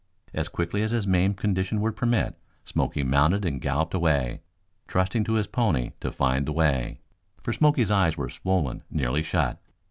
As quickly as his maimed condition would permit Smoky mounted and galloped away, trusting to his pony to find the way, for Smoky's eyes were swollen nearly shut.